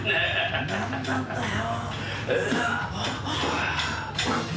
何なんだよ！